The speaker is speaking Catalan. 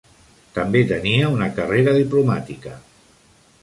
També tenia una carrera diplomàtica.